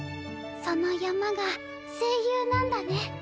その山が声優なんだね。